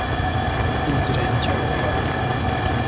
Ntugire icyo ukora